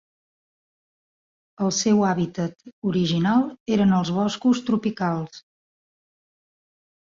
El seu hàbitat original eren els boscos tropicals.